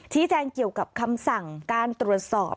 แจ้งเกี่ยวกับคำสั่งการตรวจสอบ